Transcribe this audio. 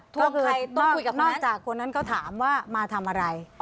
ทวงใครต้องคุยกับคนนั้นนอกจากคนนั้นก็ถามว่ามาทำอะไร